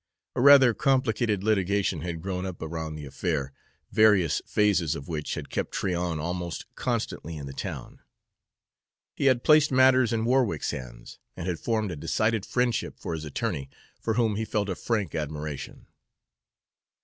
A rather complicated litigation had grown up around the affair, various phases of which had kept Tryon almost constantly in the town. He had placed matters in Warwick's hands, and had formed a decided friendship for his attorney, for whom he felt a frank admiration.